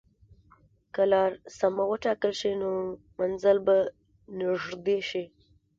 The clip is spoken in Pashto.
که لار سمه وټاکل شي، نو منزل به نږدې شي.